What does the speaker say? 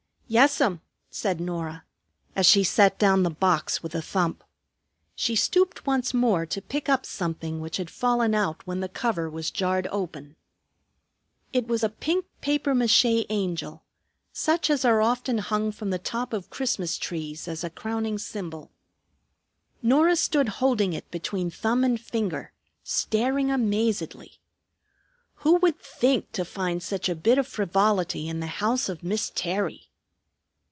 "Yes'm," said Norah, as she set down the box with a thump. She stooped once more to pick up something which had fallen out when the cover was jarred open. It was a pink papier mâché angel, such as are often hung from the top of Christmas trees as a crowning symbol. Norah stood holding it between thumb and finger, staring amazedly. Who would think to find such a bit of frivolity in the house of Miss Terry!